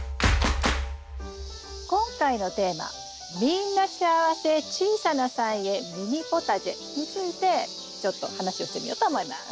今回のテーマ「みんな幸せ小さな菜園ミニポタジェ」についてちょっと話をしてみようと思います。